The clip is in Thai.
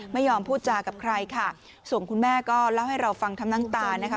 ไม่ยอมพูดจากับใครค่ะส่วนคุณแม่ก็เล่าให้เราฟังทั้งน้ำตานะคะ